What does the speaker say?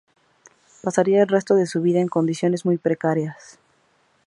Pasaría el resto de su vida en condiciones muy precarias.